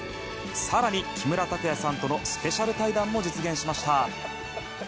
更に、木村拓哉さんとのスペシャル対談も実現しました。